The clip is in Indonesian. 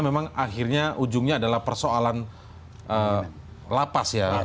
memang akhirnya ujungnya adalah persoalan lapas ya